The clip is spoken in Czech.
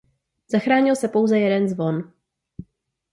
Zachránil se pouze jeden zvon.